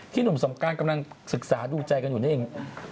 หนุ่มสงการกำลังศึกษาดูใจกันอยู่นี่เอง